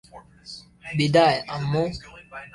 বিদায়, আম্মু।